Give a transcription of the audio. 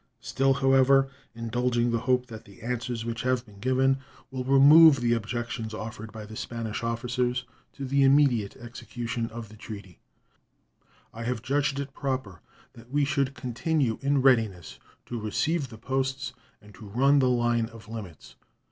Still, however, indulging the hope that the answers which have been given will remove the objections offered by the Spanish officers to the immediate execution of the treaty, I have judged it proper that we should continue in readiness to receive the posts and to run the line of limits.